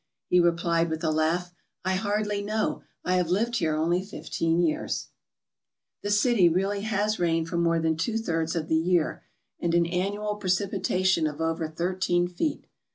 He replied, with a laugh: " I hardly know, I have lived here only fifteen years*" 9 ALASKA OUR NORTHERN WONDERLAND The city really has rain for more than two thirds of the year and an annual precipitation of over thirteen feet.